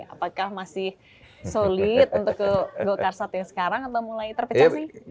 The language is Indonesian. apakah masih solid untuk ke golkar saat yang sekarang atau mulai terpecah sih